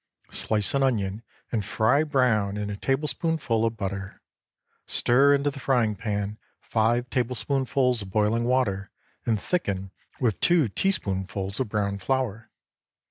Slice an onion and fry brown in a tablespoonful of butter. Stir into the frying pan five tablespoonfuls of boiling water, and thicken with two teaspoonfuls of browned flour.